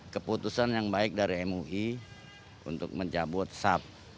keputusan yang baik dari mui untuk mencabut sab